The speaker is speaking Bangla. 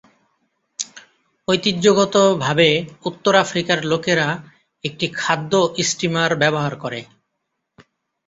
ঐতিহ্যগতভাবে উত্তর আফ্রিকার লোকেরা একটি খাদ্য স্টিমার ব্যবহার করে।